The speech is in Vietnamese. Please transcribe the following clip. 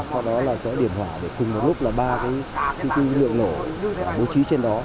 sau đó là sẽ điểm hỏa để từng một lúc là ba cái lượng nổ bố trí trên đó